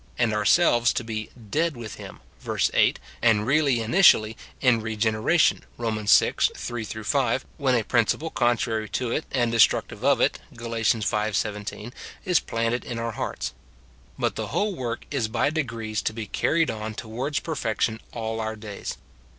6, and our selves to be " dead" with him, verse 8, and really initially in regeneration, Rom. vi. 3 5, when a principle contrary to it, and destructive of it. Gal. v. 17, is planted in our hearts ; but the whole work is by degrees to be carried on towards perfection all our days.